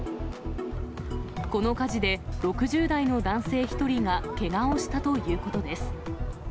この火事で、６０代の男性１人がけがをしたということです。